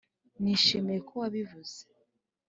nishimiye ko wabivuze.